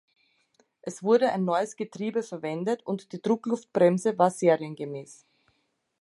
Es wurde ein neues Getriebe verwendet und die Druckluftbremse war serienmäßig.